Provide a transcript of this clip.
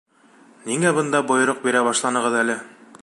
Ниңә бында бойороҡ бирә башланығыҙ әле?